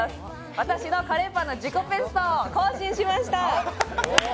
私のカレーパンの自己ベストを更新しました。